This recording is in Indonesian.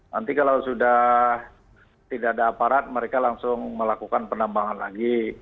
nanti kalau sudah tidak ada aparat mereka langsung melakukan penambangan lagi